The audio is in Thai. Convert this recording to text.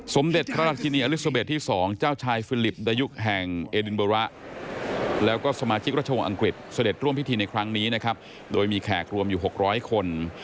สมเด็จพระราชินีอลิซาเบสที่๒เจ้าชายฟิลิปดายุคแห่งเอดินเบอร์ระแล้วก็สมาชิกราชวงศ์อังกฤษเสด็จร่วมพิธีในครั้งนี้นะครับโดยมีแขกรวมอยู่๖๐๐คน